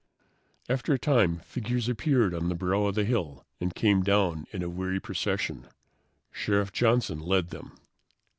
After a time, figures appeared on the brow of the hill and came down in a weary procession. Sheriff Johnson led them.